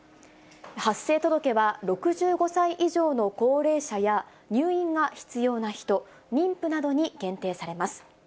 発生届は６５歳以上の高齢者や、入院が必要な人、妊婦などに限定されます。